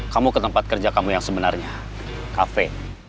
kamu ke tempat kerja kamu yang sebenarnya kafe